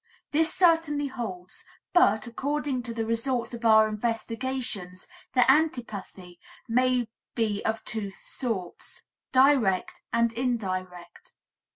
This certainly holds, but, according to the results of our investigations, the antipathy may be of two sorts, direct and indirect.